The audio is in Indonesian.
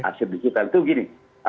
r seed digital itu begini